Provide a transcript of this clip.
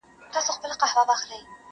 د یارانو پکښي سخت مخالفت سو!!